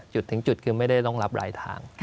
จุดถึงจุดคือไม่ได้ต้องรับรายทาง